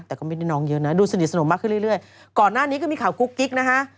แต่ก็ไม่ได้น้องเยอะนะดูสนิทสนมมากขึ้นเรื่อยก่อนหน้านี้ก็มีข่าวกุ๊กกิ๊กนะฮะ